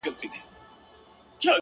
o درته ښېرا كومه،